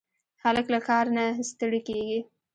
هلک له کاره نه ستړی کېږي.